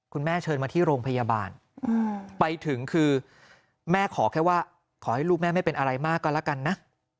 เชิญมาที่โรงพยาบาลไปถึงคือแม่ขอแค่ว่าขอให้ลูกแม่ไม่เป็นอะไรมากก็แล้วกันนะ